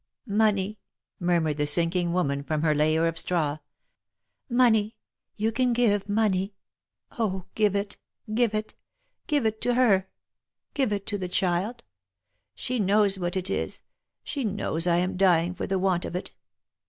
" Money !" murmured the sinking woman from her layer of straw. " Money, you can give money ? Oh ! give it, give it. Give it to her — give it to the child ; she knows what it is, she knows I am dying for the want of it.